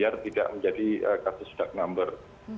karena tidak menjadi kasus dark number